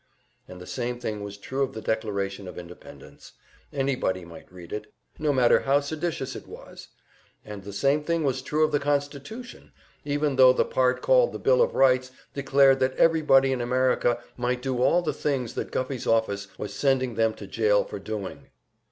And the same thing was true of the Declaration of Independence; anybody might read it, no matter how seditious it was. And the same thing was true of the Constitution, even tho the part called the Bill of Rights declared that everybody in America might do all the things that Guffey's office was sending them to jail for doing!